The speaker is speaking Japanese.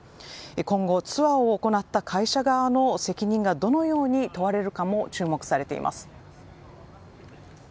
今後ツアーを行った会社側の責任がどのように問われるかも注目されています。